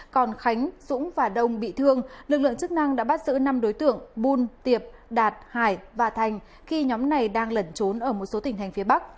còn khánh dũng và đông bị thương lực lượng chức năng đã bắt giữ năm đối tượng bun tiệp đạt hải và thành khi nhóm này đang lẩn trốn ở một số tỉnh hành phía bắc